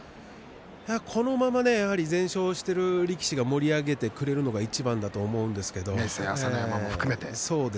このまま全勝している力士が盛り上げてくれるのがいちばんだと思います。